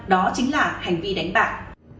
đó chính là hành vi đánh bạc